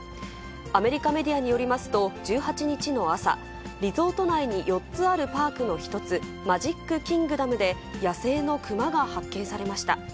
アメリカメディアによりますと、１８日の朝、リゾート内に４つあるパークの一つ、マジックキングダムで野生のクマが発見されました。